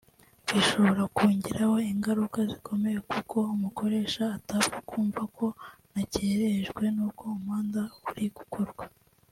Bishobora kungiraho ingaruka zikomeye kuko umukoresha atapfa kumva ko nakerejwe n’uko umuhanda uri gukorwa